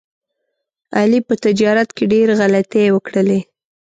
علي په تجارت کې ډېر غلطۍ وکړلې.